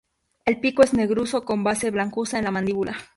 El pico es negruzco con base blancuzca en la mandíbula.